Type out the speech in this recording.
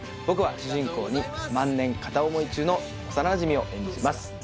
僕は主人公に万年片思い中の幼なじみを演じてます